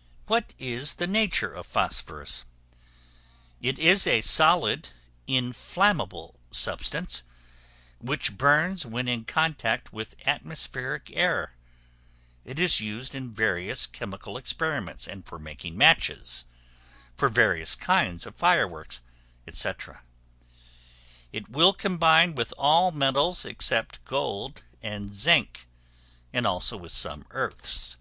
] What is the nature of Phosphorus? It is a solid, inflammable substance, which burns when in contact with atmospheric air. It is used in various chemical experiments, and for making matches; for various kinds of fire works, &c. It will combine with all metals except gold and zinc; and also with some earths.